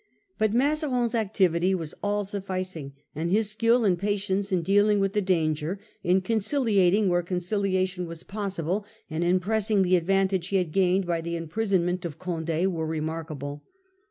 But Mazarin's activity was all sufficing ; and his skill and patience in dealing with the danger, in conciliating where conciliation was possible, and in pressing the advantage he had gained by the imprisonment of Conde, were remarkable.